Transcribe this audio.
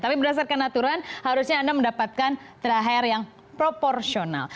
tapi berdasarkan aturan harusnya anda mendapatkan thr yang proporsional